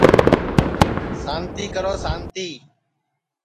سانتی کرو سانتی